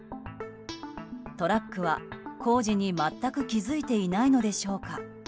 トラックは工事に全く気付いていないのでしょうか。